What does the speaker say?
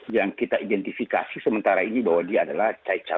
jadi yang kita identifikasi sementara ini bahwa dia adalah